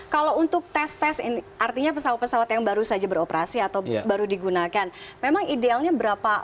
kalau untuk tes tes artinya pesawat pesawat yang baru saja beroperasi atau baru digunakan memang idealnya berapa